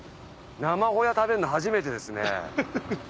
生ホヤ食べるの初めてですね。